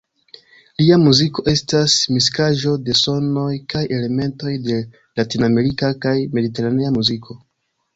Lia muziko estas miksaĵo de sonoj kaj elementoj de latinamerika kaj mediteranea muziko.